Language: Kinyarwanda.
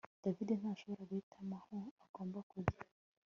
David ntashobora guhitamo aho agomba kujya